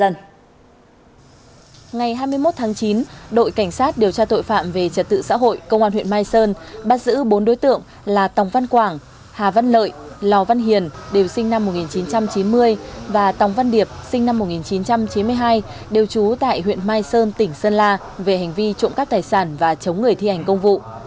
ngày hai mươi một tháng chín đội cảnh sát điều tra tội phạm về trật tự xã hội công an huyện mai sơn bắt giữ bốn đối tượng là tòng văn quảng hà văn lợi lò văn hiền đều sinh năm một nghìn chín trăm chín mươi và tòng văn điệp sinh năm một nghìn chín trăm chín mươi hai đều trú tại huyện mai sơn tỉnh sơn la về hành vi trộm các tài sản và chống người thi hành công vụ